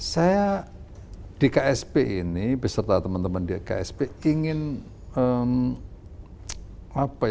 saya di ksp ini beserta teman teman di ksp ingin mengefektifkan mengefektifkan dari pekerjaan pekerjaan ini